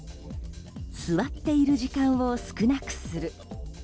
座っている時間を少なくする。